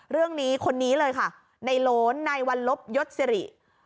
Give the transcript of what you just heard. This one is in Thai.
คนนี้คนนี้เลยค่ะในโล้นในวันลบยศสิริ